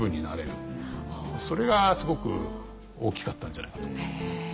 それがすごく大きかったんじゃないかと思いますね。